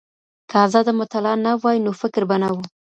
که ازاده مطالعه نه وای نو فکر به نه و.